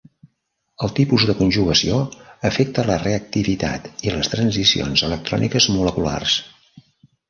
El tipus de conjugació afecta la reactivitat i les transicions electròniques moleculars.